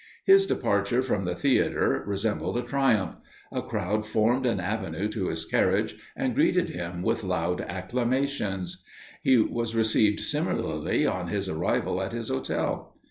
His departure from the theatre resembled a triumph; a crowd formed an avenue to his carriage, and greeted him with loud acclamations; he was received similarly on his arrival at his hotel.